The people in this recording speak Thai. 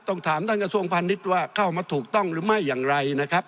ต้องถามท่านกระทรวงพาณิชย์ว่าเข้ามาถูกต้องหรือไม่อย่างไรนะครับ